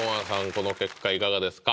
この結果いかがですか？